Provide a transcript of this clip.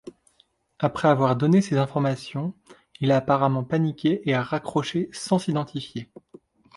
Après avoir donné ces informations, il a apparemment paniqué et a raccroché sans s’identifier.